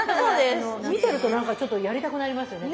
見てると何かちょっとやりたくなりますよね